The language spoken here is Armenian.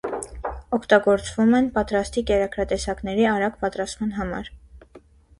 Օգտագործվում են պատրաստի կերակրատեսակների արագ պատրաստման համար։